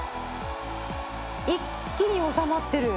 一気に収まってる。